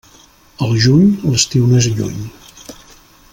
Al juny, l'estiu no és lluny.